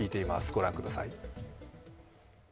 ご覧ください。